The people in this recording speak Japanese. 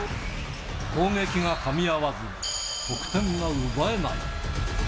攻撃がかみ合わず、得点が奪えない。